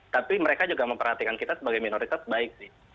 tapi mereka juga memperhatikan kita sebagai minoritas baik sih